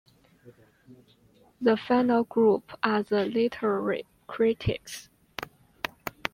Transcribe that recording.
The final group are the literary critics.